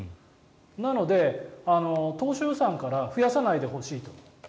なので、当初予算から増やさないでほしいと。